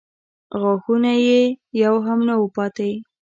غاښونه یې يو هم نه و پاتې.